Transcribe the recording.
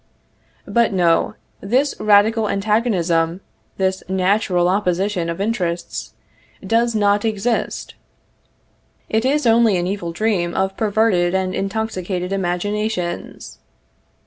But, no; this radical antagonism, this natural opposition of interests, does not exist. It is only an evil dream of perverted and intoxicated imaginations.